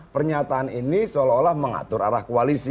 pernyataan ini seolah olah mengatur arah koalisi